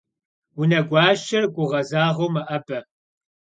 Унэгуащэр гугъэзагъэу мэӀэбэ.